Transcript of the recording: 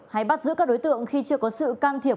hay bắt giữ các đối tượng khi chưa có sự can thiệp